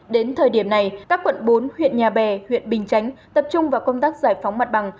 đến thời điểm này các quận bốn huyện nhà bè huyện bình chánh tập trung vào công tác giải phóng mặt bằng